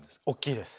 おっきい？